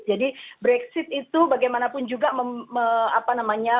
jadi brexit itu bagaimanapun juga apa namanya